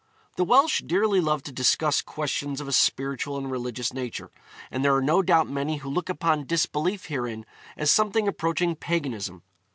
The Welsh dearly love to discuss questions of a spiritual and religious nature, and there are no doubt many who look upon disbelief herein as something approaching paganism.